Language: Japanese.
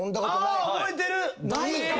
あ覚えてる！